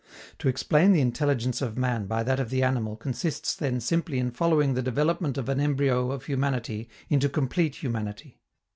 To explain the intelligence of man by that of the animal consists then simply in following the development of an embryo of humanity into complete humanity.